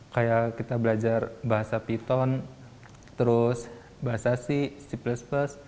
kayak kita belajar bahasa python terus bahasa c c